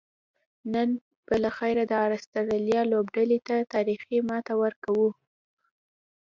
نن به لخیره د آسترالیا لوبډلې ته تاریخي ماته ورکوو